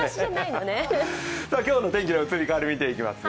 今日の天気の移り変わりを見ていきますよ。